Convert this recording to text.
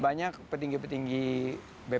banyak petinggi petinggi bpn